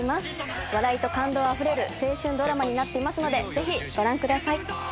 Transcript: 笑いと感動あふれる青春ドラマになっていますのでぜひご覧ください。